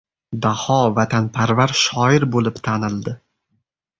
Daho vatanparvar shoir bo‘lib tanildi!